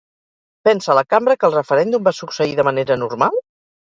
Pensa la cambra que el referèndum va succeir de manera normal?